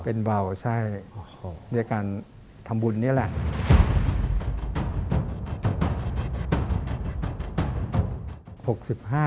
เป็นเบาใช่ด้วยการทำบุญนี่แหละ